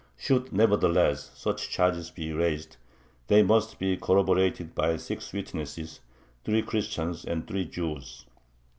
Should nevertheless such charges be raised, they must be corroborated by six witnesses, three Christians and three Jews.